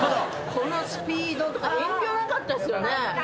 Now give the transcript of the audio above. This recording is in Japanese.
このスピードとか遠慮なかったっすよね。